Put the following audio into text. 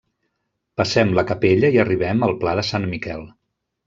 Passem la capella i arribem al pla de Sant Miquel.